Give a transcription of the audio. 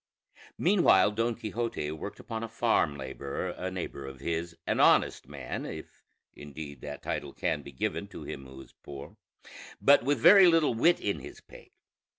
Meanwhile Don Quixote worked upon a farm laborer, a neighbor of his, an honest man (if indeed that title can be given to him who is poor), but with very little wit in his pate.